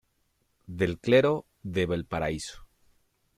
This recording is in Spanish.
Del clero de Valparaíso.